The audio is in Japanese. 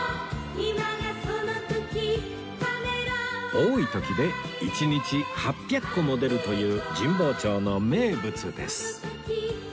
多い時で１日８００個も出るという神保町の名物です